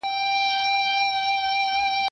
ولي د ټولني لپاره خدمت کول ذهني سکون راوړي؟